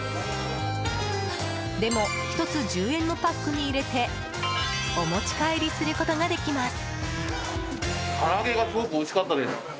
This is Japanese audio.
でも、１つ１０円のパックに入れてお持ち帰りすることができます。